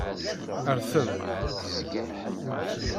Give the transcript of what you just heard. Rtem.